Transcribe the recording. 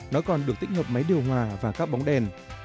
nó còn được tích hợp máy điều hòa và các bóng đèn